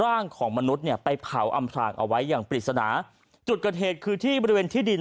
ร่างของมนุษย์เนี่ยไปเผาอำพลางเอาไว้อย่างปริศนาจุดเกิดเหตุคือที่บริเวณที่ดิน